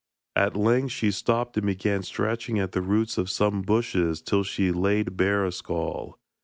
At length she stopped and began scratching at the roots of some bushes till she laid bare a skull.